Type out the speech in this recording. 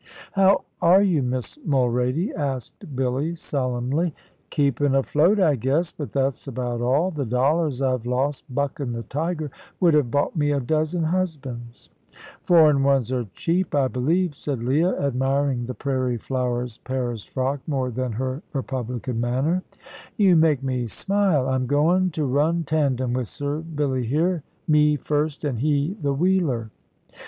"How are you, Miss Mulrady?" asked Billy solemnly. "Keepin' afloat, I guess, but that's about all. The dollars I've lost buckin' the tiger would have bought me a dozen husbands." "Foreign ones are cheap, I believe," said Leah, admiring the prairie flower's Paris frock more than her republican manner. "You make me smile. I'm goin' to run tandem with Sir Billy here me first and he the wheeler."